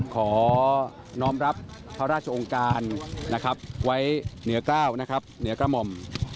ขอน้องรับพระราชองค์การนะครับไว้เหนือกล้าวนะครับเหนือกระหม่อม